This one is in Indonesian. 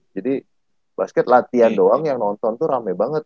jadi basket latihan doang yang nonton tuh rame banget